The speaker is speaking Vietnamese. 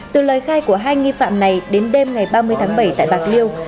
từ lời khai của hai nghi phạm này đến đêm ngày ba mươi tháng bảy tại bạc liêu